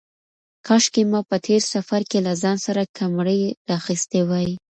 کاشکې ما په تېر سفر کې له ځان سره کمرې راخیستې وای.